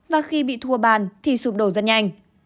và khi bị thua bàn thì sụp đổ rất nhanh